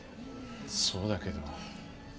そうだけど。